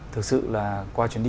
thực sự là qua chuyến đi